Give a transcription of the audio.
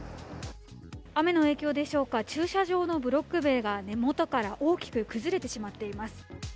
雨の影響でしょうか、駐車場のブロック塀が根元から大きく崩れてしまっています。